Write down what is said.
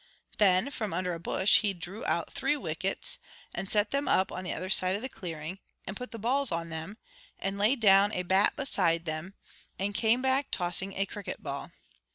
Then from under a bush he drew out three wickets, and set them up on the other side of the clearing, and put the bails on them, and laid down a bat beside them, and came back tossing a cricket ball.